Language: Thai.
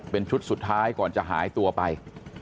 เป็นชุดสุดท้ายก่อนจะหายตัวไป